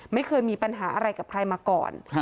ไม่เคยมีปัญหาอะไรกับใครมาก่อน